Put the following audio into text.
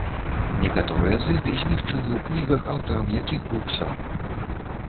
Некаторыя з іх змешчаны ў кнігах, аўтарам якіх быў сам.